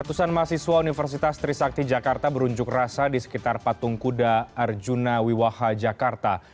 ratusan mahasiswa universitas trisakti jakarta berunjuk rasa di sekitar patung kuda arjuna wiwaha jakarta